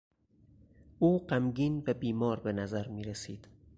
او غمگین و بیمار به نظر میرسید.